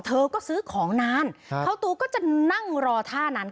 เธอก็ซื้อของนานเข้าตัวก็จะนั่งรอท่านั้น